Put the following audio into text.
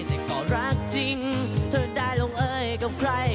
แต่ก็รักจริงเธอได้ลงเอ้ยกับใคร